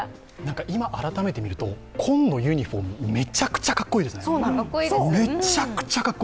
今、改めて見ると、紺のユニフォーム、めちゃくちゃかっこいいですね。